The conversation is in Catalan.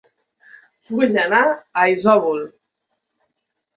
Vull anar a Isòvol